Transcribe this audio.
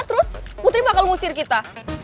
terus putri bakal ngusir kita